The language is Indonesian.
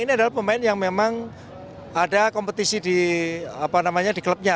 ini adalah pemain yang memang ada kompetisi di klubnya